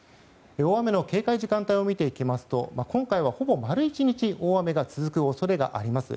大雨の警戒時間帯を見ていきますと今回は、ほぼ丸１日大雨が続く恐れがあります。